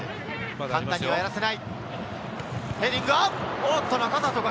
簡単にはやらせない。